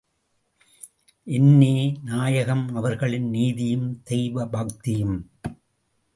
என்னே, நாயகம் அவர்களின் நீதியும், தெய்வ பக்தியும்!